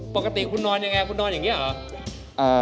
ปกติคุณนอนยังไงคุณนอนอย่างนี้เหรอ